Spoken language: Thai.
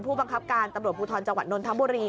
ผู้บังคับการตำรวจภูทรจังหวัดนนทบุรี